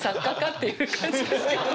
っていう感じですけど。